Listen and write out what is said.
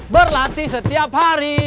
berlatih setiap hari